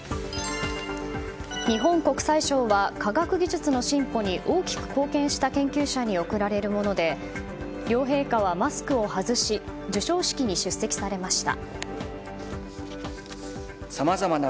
日本国際賞は科学技術の進歩に大きく貢献した研究者に贈られるもので両陛下はマスクを外し授賞式に出席されました。